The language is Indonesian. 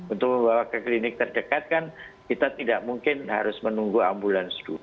untuk membawa ke klinik terdekat kan kita tidak mungkin harus menunggu ambulans dulu